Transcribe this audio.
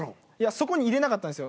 そこにいれなかったんですよ。